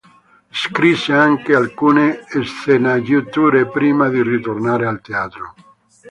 Scrisse anche alcune sceneggiature, prima di ritornare al teatro.